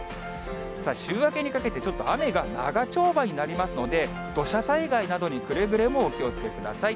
週明けにかけて、ちょっと雨が長丁場になりますので、土砂災害などにくれぐれもお気をつけください。